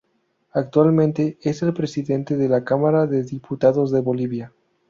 Actualmente, es el Presidente de la Cámara de Diputados de Bolivia.